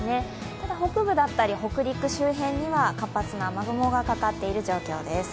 ただ、北部だったり北陸周辺には活発な雨雲がかかっている状況です。